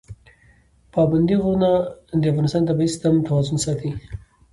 پابندی غرونه د افغانستان د طبعي سیسټم توازن ساتي.